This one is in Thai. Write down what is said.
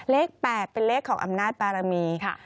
เลขแปดเป็นเลขของอำนาจปรารมี